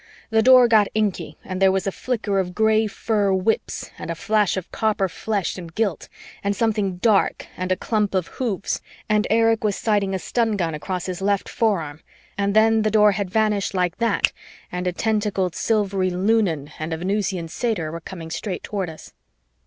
The Door got inky and there was a flicker of gray fur whips and a flash of copper flesh and gilt and something dark and a clump of hoofs and Erich was sighting a stun gun across his left forearm, and then the Door had vanished like that and a tentacled silvery Lunan and a Venusian satyr were coming straight toward us.